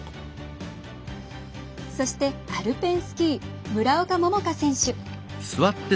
そして、アルペンスキー村岡桃佳選手。